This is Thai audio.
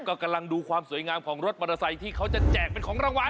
ก็กำลังดูความสวยงามของรถมอเตอร์ไซค์ที่เขาจะแจกเป็นของรางวัล